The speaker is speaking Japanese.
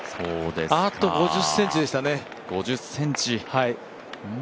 あと５０ｃｍでしたね。